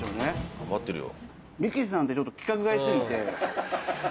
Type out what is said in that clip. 頑張ってるよ。